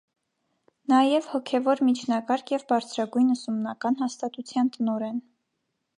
Նաև հոգևոր միջնակարգ և բարձրագույն ուսումնական հաստատության տնօրեն։